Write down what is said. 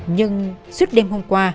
nhưng suốt đêm hôm qua